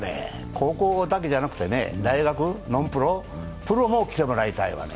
高校だけじゃなくてね、大学、ノンプロ、プロも来てもらいたいわね。